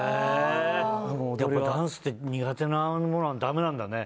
ダンスって苦手なものはだめなんだね。